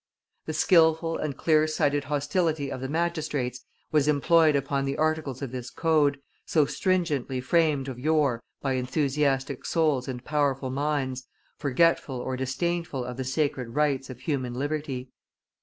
The skilful and clear sighted hostility of the magistrates was employed upon the articles of this code, so stringently framed of yore by enthusiastic souls and powerful minds, forgetful or disdainful of the sacred rights of human liberty.